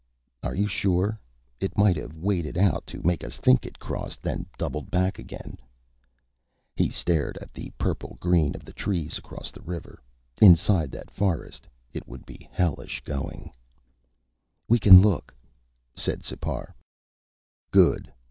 "Are you sure? It might have waded out to make us think it crossed, then doubled back again." He stared at the purple green of the trees across the river. Inside that forest, it would be hellish going. "We can look," said Sipar. "Good.